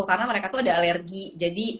karena mereka tuh ada alergi jadi